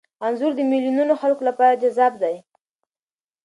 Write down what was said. انځور د میلیونونو خلکو لپاره جذاب دی.